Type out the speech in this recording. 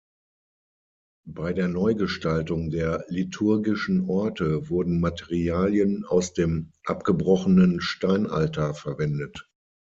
Bei der Neugestaltung der liturgischen Orte wurden Materialien aus dem abgebrochenen Steinaltar verwendet.